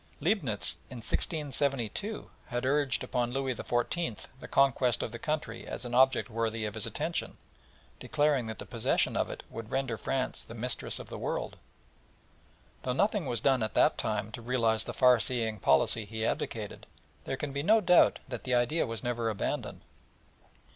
Leibnitz, in 1672, had urged upon Louis XIV. the conquest of the country as an object worthy of his attention, declaring that the possession of it would render France the mistress of the world, and though nothing was done at that time to realise the far seeing policy he advocated, there can be no doubt that the idea was never abandoned.